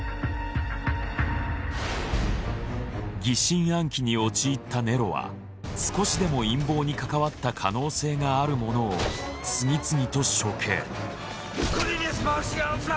疑心暗鬼に陥ったネロは少しでも陰謀に関わった可能性がある者を次々と処刑。